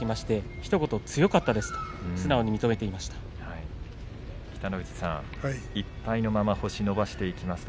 ひと言、強かったですと素直に認めていました。